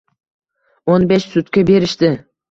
O'n besh sutka berishdi.